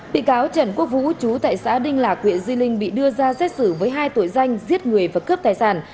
bị cáo trần quốc vũ chú tại xã đinh lạc huyện di linh bị đưa ra xét xử với hai tội danh giết người và cướp tài sản